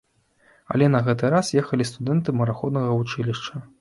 Але на гэты раз ехалі студэнты мараходнага вучылішча.